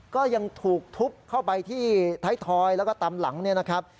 ก็ยังถูกทุบเข้าไปที่ท้ายทอยแล้วก็ตามหลังเนี่ยนะครับ